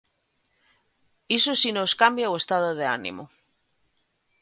Iso si nos cambia o estado de ánimo.